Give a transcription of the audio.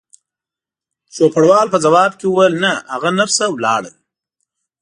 چوپړوال په ځواب کې وویل: نه، هغه نرسه ولاړل.